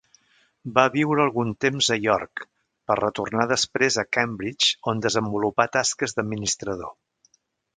Va viure algun temps a York, per retornar després a Cambridge, on desenvolupà tasques d'administrador.